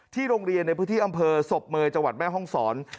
โรงเรียนในพื้นที่อำเภอศพเมย์จังหวัดแม่ห้องศร